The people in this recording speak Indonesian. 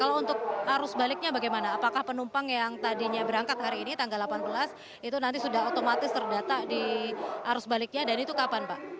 kalau untuk arus baliknya bagaimana apakah penumpang yang tadinya berangkat hari ini tanggal delapan belas itu nanti sudah otomatis terdata di arus baliknya dan itu kapan pak